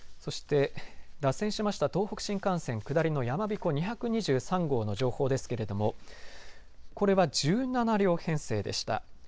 脱線しました東北新幹線下りの山びこ２２３号の情報ですけれどもこれは１７両編成でした。